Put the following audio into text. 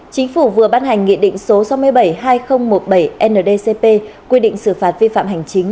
chính phủ vừa ban hành nghị định số sáu mươi bảy hai nghìn một mươi bảy ndcp quy định xử phạt vi phạm hành chính